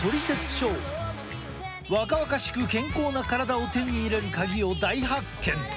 若々しく健康な体を手に入れる鍵を大発見！